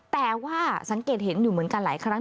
แต่ว่าสังเกตเห็นอยู่เหมือนกันหลายครั้ง